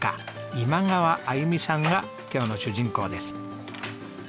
今川あゆみさんが今日の主人公です。